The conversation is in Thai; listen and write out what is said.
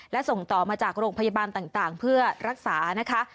และส่งต่อมาจากโรงพยาบาลต่างเพื่อรักษานะคะ